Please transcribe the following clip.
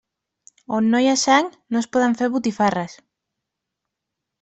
On no hi ha sang, no es poden fer botifarres.